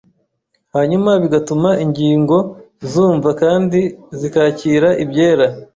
hanyuma bigatuma ingingo zumva kandi zikakira ibyera